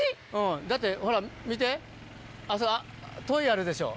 だってほら見てあそこといあるでしょ。